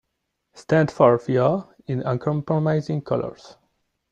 Stand forth, Jo, in uncompromising colours!